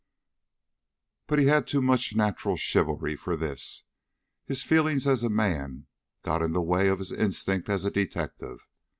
But he had too much natural chivalry for this. His feelings as a man got in the way of his instinct as a detective.